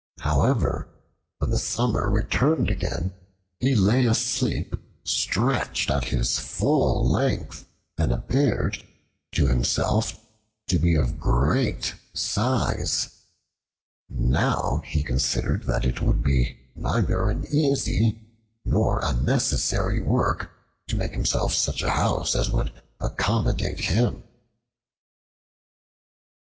However when the summer returned again, he lay asleep stretched at his full length and appeared to himself to be of a great size. Now he considered that it would be neither an easy nor a necessary work to make himself such a house as would accommodate him.